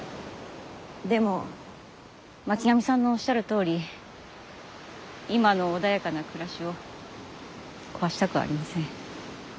でも巻上さんのおっしゃるとおり今の穏やかな暮らしを壊したくありません。